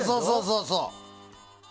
そうそう！